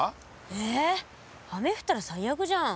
え雨降ったら最悪じゃん。